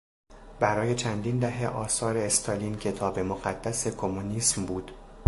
برای چندین دهه آثار استالین کتاب مقدس کمونیسم بود.